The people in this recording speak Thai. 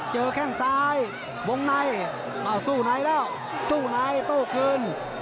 เจอแข้งซ้ายวงในสู้ไหนแล้วตู้ไหนโต้คืน